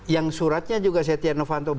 yang suratnya juga setia novanto